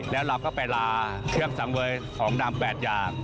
แล้วเราก็ไปลาเครื่องสังเวยของดำ๘อย่าง